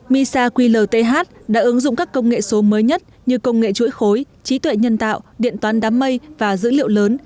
misa qlth đã ứng dụng các công nghệ số mới nhất như công nghệ chuỗi khối trí tuệ nhân tạo điện toán đám mây và dữ liệu lớn